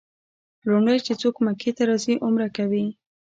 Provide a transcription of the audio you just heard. لومړی چې څوک مکې ته راځي عمره کوي.